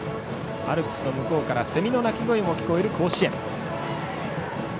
アルプスの向こうからセミの鳴き声も聞こえる甲子園。